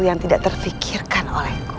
yang tidak terfikirkan olehku